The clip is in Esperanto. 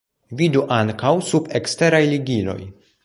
Vidu ankaŭ sub 'Eksteraj ligiloj'.